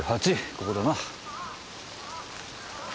ここだな。